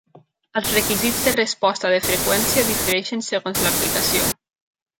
Els requisits de resposta de freqüència difereixen segons l'aplicació.